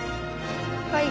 はい。